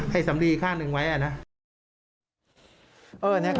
ให้สำลีอีกข้างหนึ่งไว้